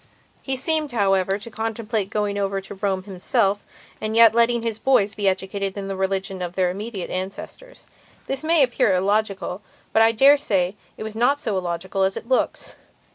He seemed, however, to contemplate going over to Rome himself and yet letting his boys be educated in the religion of their immediate ancestors. This may appear illogical, but I dare say it is not so illogical as it looks.